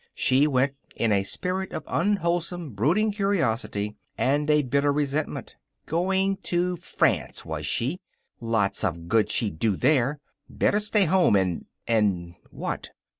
She went in a spirit of unwholesome brooding curiosity and a bitter resentment. Going to France, was she? Lots of good she'd do there. Better stay home and and what?